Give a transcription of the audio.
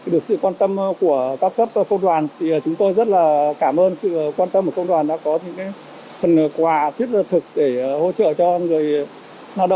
được sự quan tâm của các cấp công đoàn thì chúng tôi rất là cảm ơn sự quan tâm của công đoàn đã có những phần quà thiết thực để hỗ trợ cho người lao động